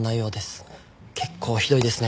結構ひどいですね